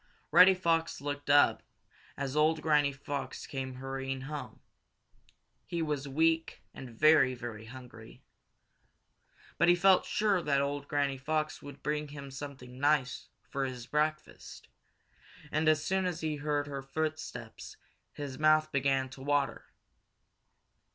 Reddy Fox looked up as old Granny Fox came hurrying home. He was weak and very, very hungry. But he felt sure that old Granny Fox would bring him something nice for his breakfast, and as soon as he heard her footsteps his mouth began to water.